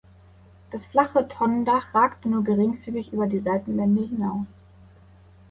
Das flache Tonnendach ragte nur geringfügig über die Seitenwände hinaus.